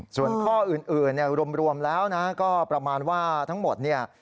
ส่วนข้ออื่นเนี่ยรวมแล้วนะก็ประมาณว่าทั้งหมดเนี่ย